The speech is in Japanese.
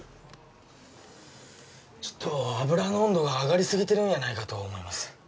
ちょっと油の温度が上がりすぎてるんやないかと思います